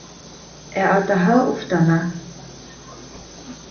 Ә атаһы уфтана.